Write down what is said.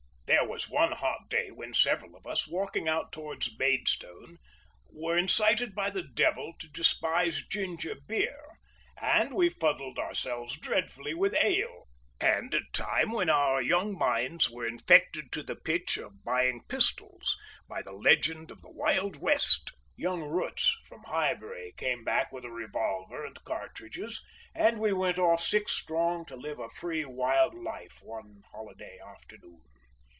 There was one hot day when several of us, walking out towards Maidstone, were incited by the devil to despise ginger beer, and we fuddled ourselves dreadfully with ale; and a time when our young minds were infected to the pitch of buying pistols, by the legend of the Wild West. Young Roots from Highbury came back with a revolver and cartridges, and we went off six strong to live a free wild life one holiday afternoon.